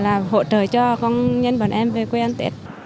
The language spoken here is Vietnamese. là hỗ trợ cho công nhân bọn em về quê ăn tết